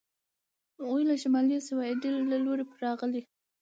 هغوی له شمال او د سیوایډل له لوري پر راغلي.